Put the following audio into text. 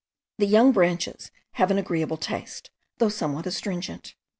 The young branches have an agreeable taste, though somewhat astringent.